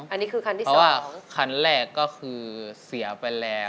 อันนี้คือคันที่สองคันแรกก็คือเสียไปแล้ว